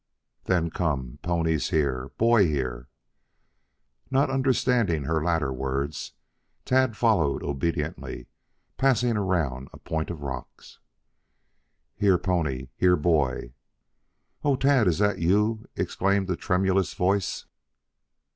"Then come. Ponies here. Boy here." Not understanding her latter words, Tad followed obediently, passing around a point of rocks. "Here ponies. Here boy." "O Tad, is that you?" exclaimed a tremulous voice.